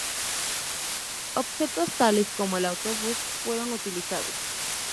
Objetos tales como "el autobús" fueron utilizados.